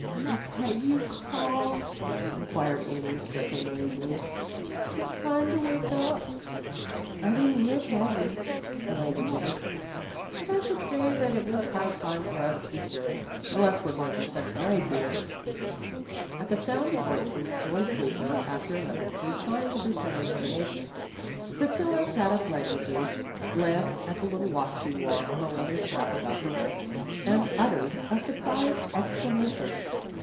"Did Peggy call?" inquired Amy stretching lazily. "Is it time to wake up?" "I didn't hear Peggy," Elaine admitted. "But I should say that it was high time for us to be stirring, unless we're going to spend the night here." At the sound of voices, one sleeper after another gave signs of returning animation. Priscilla sat up languidly, glanced at the little watch she wore on a leather strap about her wrist, and uttered a surprised exclamation.